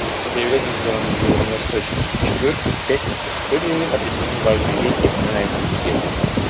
В заявлении, сделанным ближневосточной «четверкой» в пятницу, были определены важные вехи на этом пути.